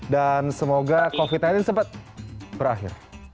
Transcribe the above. dan semoga covid sembilan belas sempat berakhir